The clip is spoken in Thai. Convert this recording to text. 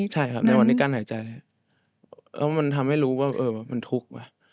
ใช่ครับในวันนี้กั้นหายใจแล้วมันทำให้รู้ว่ามันทุกข์ว่ะ